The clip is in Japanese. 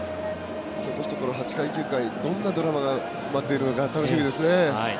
残すところ８回、９回、どんなドラマが待っているのか楽しみですね。